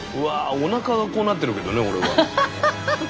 おなかがこうなってるけどね俺は。